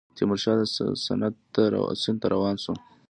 تیمورشاه سند ته روان شو.